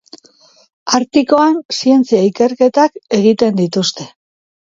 Artikoan zientzia ikerketak egiten dituzte.